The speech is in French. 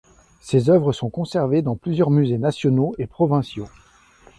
Ses œuvres sont conservées dans plusieurs musées nationaux et provinciaux.